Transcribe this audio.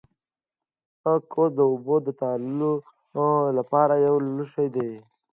کوزه د اوبو د ساتلو لپاره یو لوښی دی